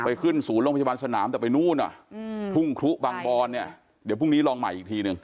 ไปขึ้นศูนย์โรงพยาบาลสนามแต่ไปนู่นอ่ะอืมทุ่งครุบางบอนเนี่ยเดี๋ยวพรุ่งนี้ลองใหม่อีกทีหนึ่ง